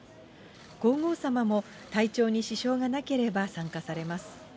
皇后さまも体調に支障がなければ参加されます。